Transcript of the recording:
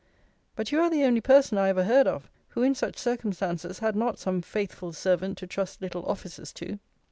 But you are the only person I ever heard of, who in such circumstances had not some faithful servant to trust little offices to.